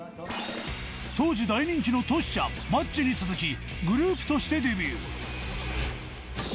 当時大人気のトシちゃんマッチに続きグループとしてデビュー。